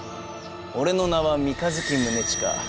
俺の名は三日月宗近。